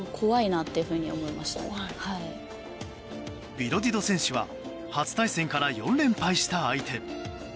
ビロディド選手は初対戦から４連敗した相手。